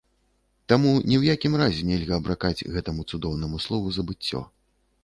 Таму ні ў якім разе нельга абракаць гэтаму цудоўнаму слову забыццё.